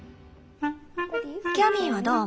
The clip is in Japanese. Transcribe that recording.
キャミーはどう思う？